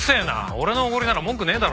俺の奢りなら文句ねえだろ。